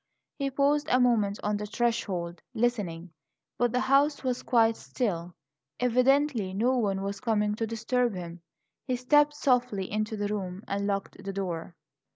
He paused a moment on the threshold, listening; but the house was quite still; evidently no one was coming to disturb him. He stepped softly into the room and locked the door.